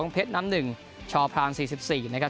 เพชรน้ำหนึ่งช่อพราง๔๔นะครับ